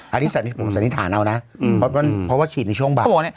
อันนี้ผมสันนิษฐานเอานะเพราะว่าฉีดในช่วงบ่าย